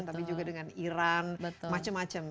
tapi juga dengan iran macam macam